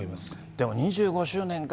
でも２５周年か。